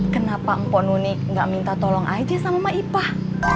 kenapa mpo nuni ga minta tolong aja sama maipah